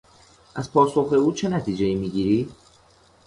از پاسخ او چه نتیجهای میگیری؟